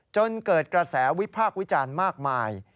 จนเกิดกระแสวิพากษ์วิจารณ์มากมาย